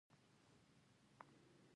یوه ورځ به ضرور د دوه مخو مخونه تور شي.